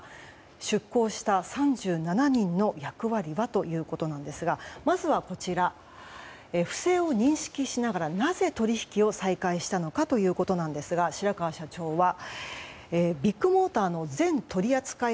出向した３７人の役割はということなんですがまずは、不正を認識しながらなぜ取引を再開したのかということですが白川社長はビッグモーターの全取り扱い